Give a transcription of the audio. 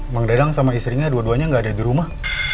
bang dadang sama istrinya dua duanya gak ada di rumah